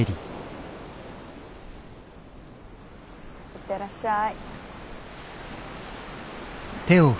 行ってらっしゃい。